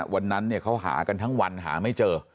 วันนั้นเขาหากันทั้งวันหาไม่เจอ